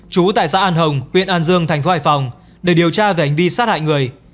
chú tại xã an hồng huyện an dương thành phố hải phòng để điều tra về hành vi sát hại người